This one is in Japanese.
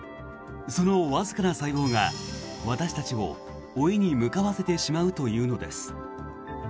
そのわずかな細胞が私たちを老いに向かわせてしまうというのです。